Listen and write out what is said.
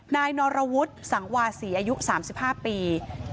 นายนรวุฒิสังวาศีอายุ๓๕ปี